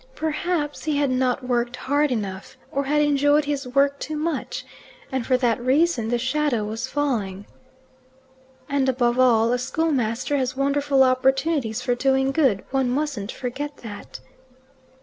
Perhaps he had not worked hard enough, or had enjoyed his work too much, and for that reason the shadow was falling. " And above all, a schoolmaster has wonderful opportunities for doing good; one mustn't forget that."